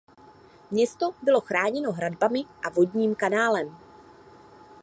Město bylo chráněno hradbami a vodním kanálem.